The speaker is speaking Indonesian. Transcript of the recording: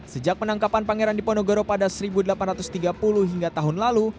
sejak penangkapan pangeran diponegoro pada seribu delapan ratus tiga puluh hingga tahun lalu